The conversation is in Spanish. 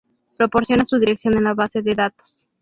Proporciona su dirección en la base de datos.